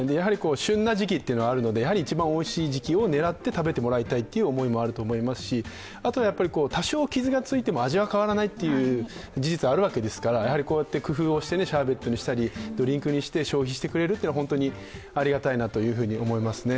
旬の時期というのがあると思うのでやはり一番おいしい時期を狙って食べてもらいたいという思いもあると思いますし、あとは多少傷がついても味が変わらないという事実はあるわけですからこうやって工夫をして、シャーベットにしたりドリンクにしたり、消費してくれるっていうのは、本当にありがたいなと思いますね。